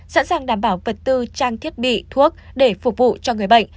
sẵn sàng đảm bảo vật tư trang thiết bị thuốc để phục vụ cho người bệnh